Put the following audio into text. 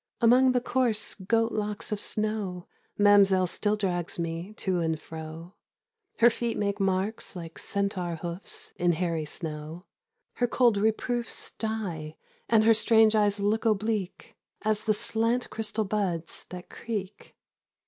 Among the coarse goat locks of snow Mamzelle still drags me to and fro; Her feet make marks like centaur hoofs In hairy snow; her cold reproofs 53 Die, and her strange eyes look oblique As the slant crystal buds that creak.